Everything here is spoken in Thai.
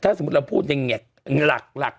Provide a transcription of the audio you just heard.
ถ้าสมมติเราพูดงานหลัก